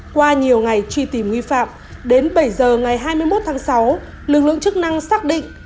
qua nhiều ngày truy tìm nghi phạm đến bảy giờ ngày hai mươi một tháng sáu lực lượng chức năng xác định